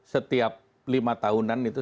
setiap lima tahunan itu